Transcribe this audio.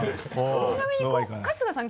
ちなみに春日さん